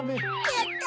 やった！